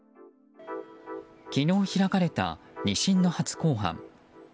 昨日開かれた２審の初公判。